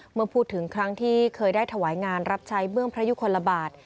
เมื่อพูดถึงครั้งที่เคยได้ถวายงานรับใช้เบื้องพระยุคลบาท